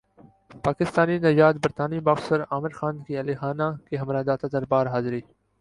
پاکستانی نژادبرطانوی باکسر عامر خان کی اہل خانہ کےہمراہ داتادربار حاضری